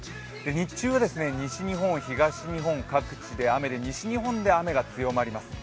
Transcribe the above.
日中は西日本、東日本各地で雨で西日本で雨が強まります。